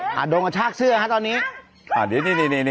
พลิกเข้ามาแหละครับ